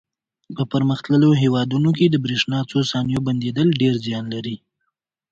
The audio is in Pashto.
په پرمختللو هېوادونو کې د برېښنا څو ثانیو بندېدل ډېر زیان لري.